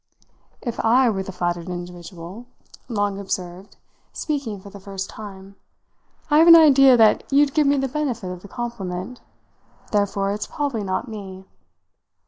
"If I were the flattered individual," Long observed, speaking for the first time, "I've an idea that you'd give me the benefit of the compliment. Therefore it's probably not me."